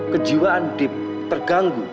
kejiwaan dave terganggu